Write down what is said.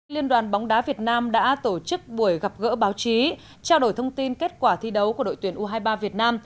liên đoàn bóng đá việt nam đã tổ chức buổi gặp gỡ báo chí trao đổi thông tin kết quả thi đấu của đội tuyển u hai mươi ba việt nam